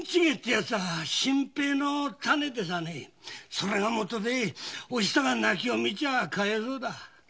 それがもとでおひさが泣きを見ちゃかわいそうだ。